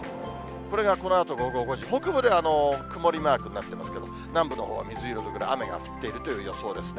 これがこのあと午後５時、北部では曇りマークになってますけど、南部のほうは水色の部分、これ、雨が降っているという予想ですね。